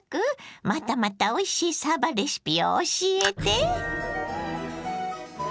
またまたおいしいさばレシピを教えて。